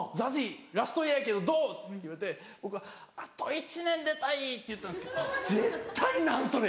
「ＺＡＺＹラストイヤーやけどどう？」って言われて僕は「あと１年出たい」って言ったんですけど絶対「なんそれ！」